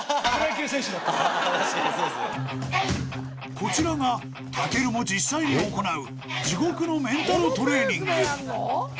こちらが武尊も実際に行う地獄のメンタルトレーニング